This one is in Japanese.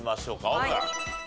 オープン。